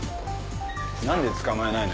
何で捕まえないの？